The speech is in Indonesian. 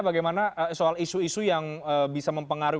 bagaimana soal isu isu yang bisa mempengaruhi